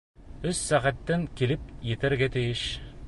Өс сәғәттән килеп етергә тейеш.